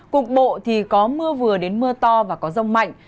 cục bộ thì có mưa vừa đến mưa to và có rông mạnh